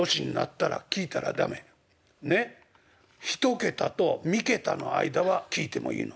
１桁と３桁の間は聞いてもいいの」。